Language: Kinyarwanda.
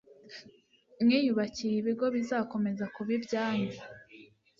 mwiyubakiye ibigo bizakomeza kuba ibyanyu